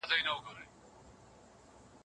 ځينې لغتونه اوس ناسم کارول کېږي.